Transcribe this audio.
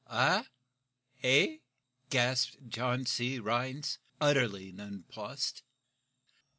"Eh? Hey?" gasped John C. Rhinds, utterly nonplussed.